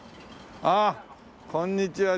ああこんにちは。